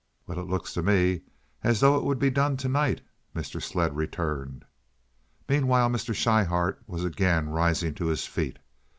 "Well, it looks to me as though it would be done tonight," Mr. Sledd returned. Meanwhile Mr. Schryhart was again rising to his feet.